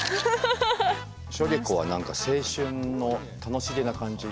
しょげこは何か青春の楽しげな感じ。